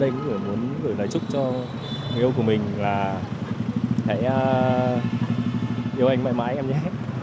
mình cũng muốn gửi lời chúc cho người yêu của mình là hãy yêu anh mãi mãi em nhé